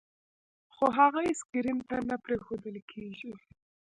خو هغوی سکرین ته نه پرېښودل کېږي.